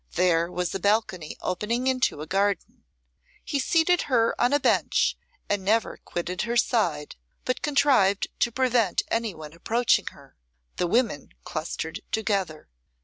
There was a balcony opening into a garden. He seated her on a bench, and never quitted her side, but contrived to prevent anyone approaching her. The women clustered together.